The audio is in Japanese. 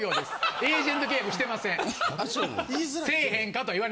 エージェント契約してません。